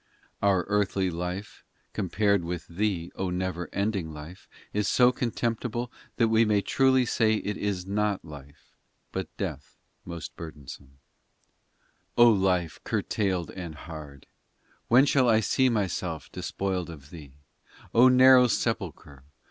VI Our earthly life, Compared with thee, O never ending life, Is so contemptible That we may truly say it is not life, But death most burdensome ! 20 306 POEMS VII O Life curtailed and hard ! When shall I see myself despoiled of thee ? O narrow sepulchre